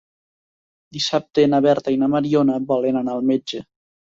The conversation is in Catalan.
Dissabte na Berta i na Mariona volen anar al metge.